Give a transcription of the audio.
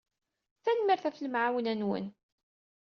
Tanemmirt ɣef lemɛawna-nwen.